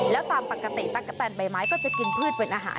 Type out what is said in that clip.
แล้วตามปกติตั๊กกะแตนใบไม้ก็จะกินพืชเป็นอาหาร